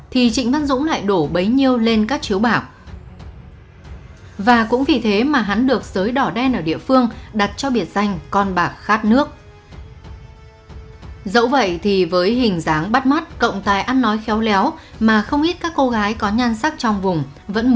hãy đăng ký kênh để ủng hộ kênh của mình nhé